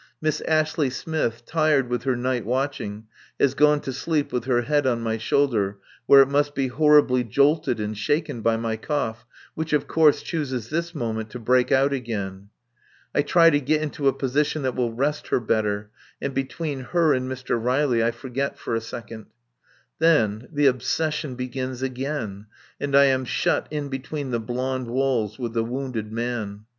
Miss Ashley Smith, tired with her night watching, has gone to sleep with her head on my shoulder, where it must be horribly jolted and shaken by my cough, which of course chooses this moment to break out again. I try to get into a position that will rest her better; and between her and Mr. Riley I forget for a second. Then the obsession begins again, and I am shut in between the blond walls with the wounded man.